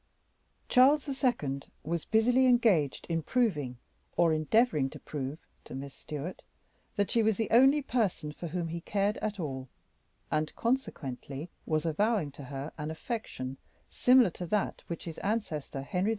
Charles II. was busily engaged in proving, or in endeavoring to prove, to Miss Stewart that she was the only person for whom he cared at all, and consequently was avowing to her an affection similar to that which his ancestor Henry IV.